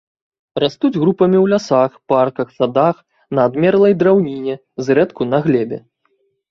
Растуць групамі ў лясах, парках, садах на адмерлай драўніне, зрэдку на глебе.